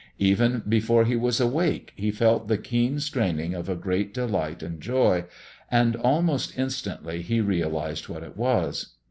Even before he was awake he felt the keen straining of a great delight and joy, and almost instantly he realized what it was.